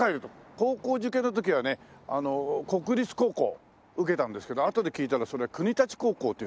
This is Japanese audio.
高校受験の時はね国立高校を受けたんですけどあとで聞いたらそれ国立高校っていう名前だって。